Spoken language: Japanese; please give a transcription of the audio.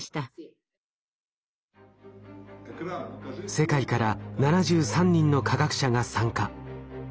世界から７３人の科学者が参加。